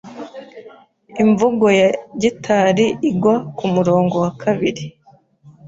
Imvugo ya "gitari" igwa kumurongo wa kabiri.